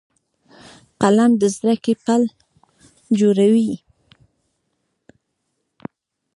قلم د زده کړې پل جوړوي